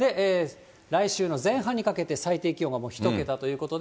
来週の前半にかけて、最低気温が１桁ということで、